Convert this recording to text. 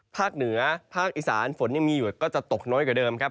ภาคเหนือภาคอีสานฝนยังมีอยู่ก็จะตกน้อยกว่าเดิมครับ